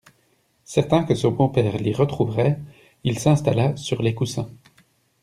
Certain que son beau-père l'y retrouverait, il s'installa sur les coussins.